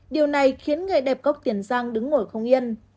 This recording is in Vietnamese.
điều này khiến người đẹp gốc tiền răng đứng ngồi không yên